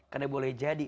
karena boleh jadi